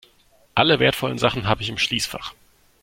Alle wertvollen Sachen habe ich im Schließfach.